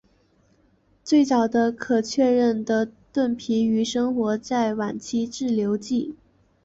最早的可确认的盾皮鱼生活在晚期志留纪。